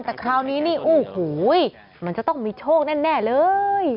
แต่คราวนี้นี่โอ้โหมันจะต้องมีโชคแน่เลย